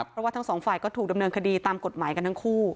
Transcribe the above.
เพราะว่าทั้งสองฝ่ายก็ถูกดำเนินคดีตามกฎหมายกันทั้งคู่